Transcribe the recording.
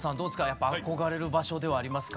やっぱ憧れる場所ではありますか？